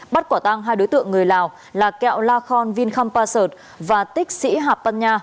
bắt quả tăng hai đối tượng người lào là kẹo la khon vinhampasert và tích sĩ hạp pân nha